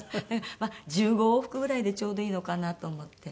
まあ１５往復ぐらいでちょうどいいのかなと思って。